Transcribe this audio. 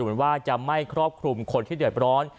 ดูลว่าจะไม่ครอบครุมคนที่เดือดร้อน